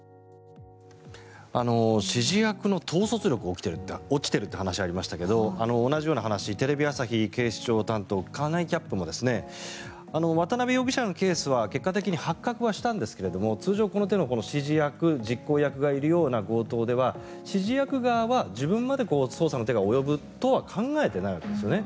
指示役の統率力が落ちているという話がありましたが同じような話テレビ朝日警視庁担当金井キャップも渡邉容疑者のケースは結果的に発覚はしたんですけれども通常、この手の指示役、実行役がいるような強盗では指示役側は自分まで捜査の手が及ぶとは考えていないわけですよね。